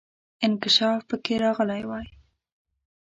انکشاف پکې راغلی وای.